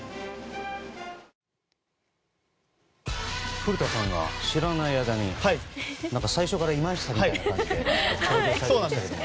古田さんが知らない間に最初からいましたみたいな感じで登場されてますけど。